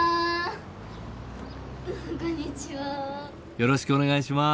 よろしくお願いします。